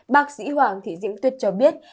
bác sĩ hoàng thị diễm tuyết cho biết